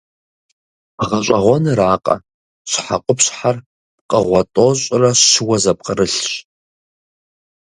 Гъэщӏэгъуэнракъэ, щхьэкъупщхьэр пкъыгъуэ тӏощӏрэ щыуэ зэпкърылъщ.